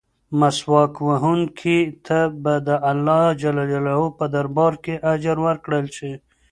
مسواک وهونکي ته به د اللهﷻ په دربار کې اجر ورکړل شي.